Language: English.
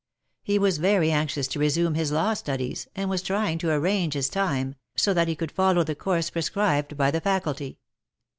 He was very anxious to resume his law studies, and was trying to arrange his time, so that he could follow the course prescribed by the Faculty.